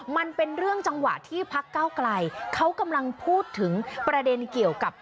มันเป็นเรื่องจังหวะที่พักเก้าไกลเขากำลังพูดถึงประเด็นเกี่ยวกับ